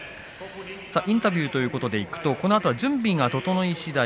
インタビューということでいきますとこのあと準備が整いしだい